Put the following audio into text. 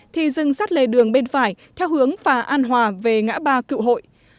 thì dừng sát lề đường bên phải theo hướng phà an hòa về ngã ba cựu hội